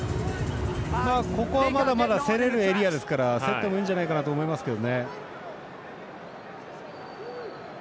ここはまだまだ競れるエリアなので競ってもいいんじゃないかと思いますけどね。